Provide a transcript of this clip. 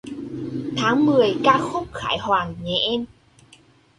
Tháng mười ca khúc khải hoàn... Nhé em!